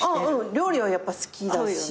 料理はやっぱ好きだし。